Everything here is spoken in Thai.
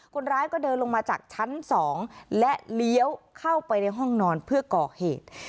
คนร้ายก็เดินลงมาจากชั้น๒และเลี้ยวเข้าไปในห้องนอนเพื่อก่อเหตุ